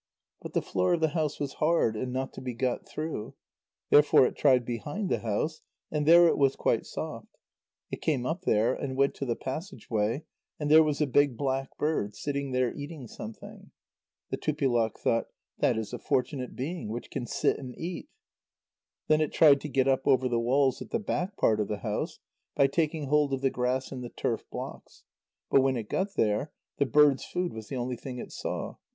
But the floor of the house was hard, and not to be got through. Therefore it tried behind the house, and there it was quite soft. It came up there, and went to the passage way, and there was a big black bird, sitting there eating something. The Tupilak thought: "That is a fortunate being, which can sit and eat." Then it tried to get up over the walls at the back part of the house, by taking hold of the grass in the turf blocks. But when it got there, the bird's food was the only thing it saw.